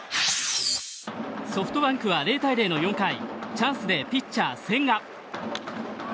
ソフトバンクは０対０の４回チャンスでピッチャー、千賀。